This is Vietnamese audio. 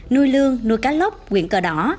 nuôi lương nuôi cá lóc quận cờ đỏ